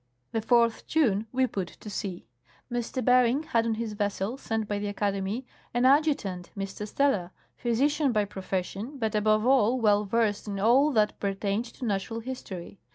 The 4th June we put to sea. M. Bering had on his vessel, sent by the xlcademy, an adjutant, M. Steller, physician by profession, but above all well versed in all that pertained to natural history.